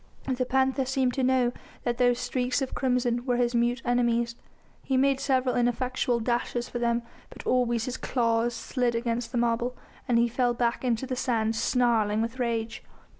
The panther seemed to know that those streaks of crimson were his mute enemies. He made several ineffectual dashes for them, but always his claws slid against the marble, and he fell back into the sand, snarling with rage.